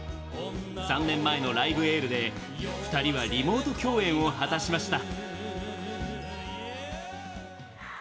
３年前の「ライブ・エール」で２人はリモート共演を果たしました。